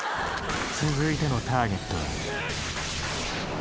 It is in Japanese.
続いてのターゲットは。